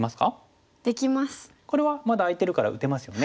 これはまだ空いてるから打てますよね。